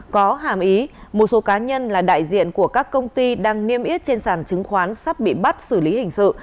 có hàm ý một số cá nhân là đại diện của các công ty đang niêm yết trên sản chứng khoán sắp bị bắt xử lý hình sự